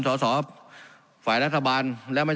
การปรับปรุงทางพื้นฐานสนามบิน